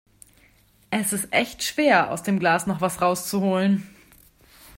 Es ist echt schwer aus dem Glas noch was rauszuholen